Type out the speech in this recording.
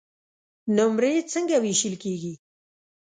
نمرې څنګه وېشل کیږي؟